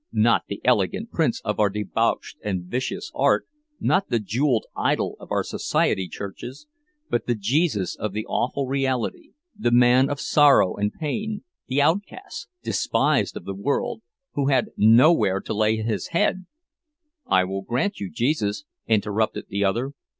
Not the elegant prince of our debauched and vicious art, not the jeweled idol of our society churches—but the Jesus of the awful reality, the man of sorrow and pain, the outcast, despised of the world, who had nowhere to lay his head—" "I will grant you Jesus," interrupted the other.